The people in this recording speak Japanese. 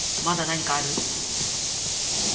まだ何かある？